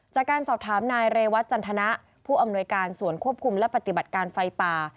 จากการสอบถามนายเรวัตจันทนะผู้อำนวยการสวนควบคุมและปฏิบัติการไฟป่า